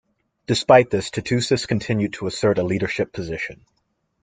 Despite this Tootoosis continued to assert a leadership position.